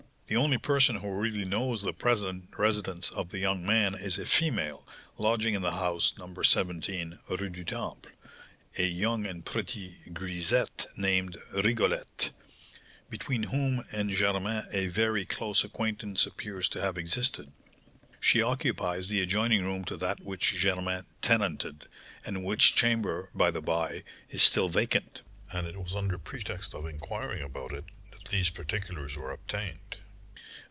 The only person who really knows the present residence of the young man is a female, lodging in the house No. 17 Rue du Temple, a young and pretty grisette, named Rigolette, between whom and Germain a very close acquaintance appears to have existed. She occupies the adjoining room to that which Germain tenanted, and which chamber, by the by, is still vacant; and it was under pretext of inquiring about it that these particulars were obtained."